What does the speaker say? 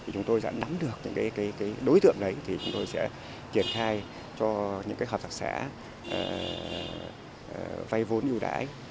chúng tôi đã nắm được những đối tượng đấy thì chúng tôi sẽ triển khai cho những hợp tác xã vay vốn ưu đãi